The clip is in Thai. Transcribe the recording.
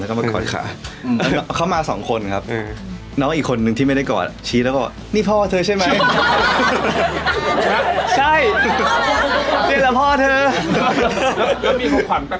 แล้วมีของขวัญแปลกอะไรจากเด็กทำไมที่เอามาให้เราอะไรอย่างเงี้ย